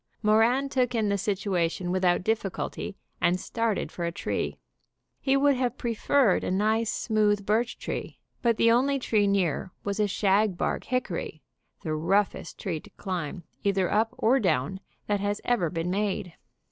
Moran took in the situation without difficulty, and started for a tree. He would have preferred a nice, smooth birch tree, but the only tree near was a shag bark hickory, the roughest tree to climb, either up or down, that has ever been made.